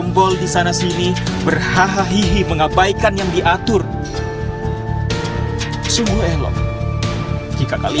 mereka hanya membuat diri mereka